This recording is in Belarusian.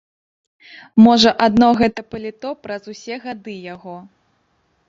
Можа, адно гэта паліто праз усе гады яго.